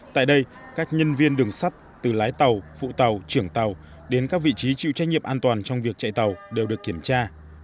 tại đây các nhân viên đường sắt từ lái tàu phụ tàu trưởng tàu đến các vị trí chịu trách nhiệm an toàn trong việc chạy tàu đều được kiểm tra